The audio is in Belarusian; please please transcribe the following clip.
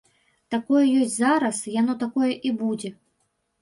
Такое ёсць зараз, яно такое і будзе.